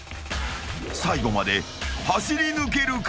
［最後まで走りぬけるか？］